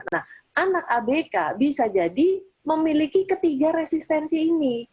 nah anak abk bisa jadi memiliki ketiga resistensi ini